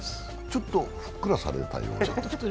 ちょっとふっくらされたような。